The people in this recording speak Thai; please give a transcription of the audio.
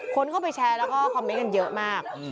คนเข้าไปแชร์แล้วก็คอมเมนต์กันเยอะมาก